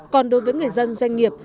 còn đối với người dân doanh nghiệp